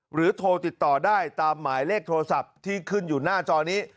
โทรติดต่อได้ตามหมายเลขโทรศัพท์ที่ขึ้นอยู่หน้าจอนี้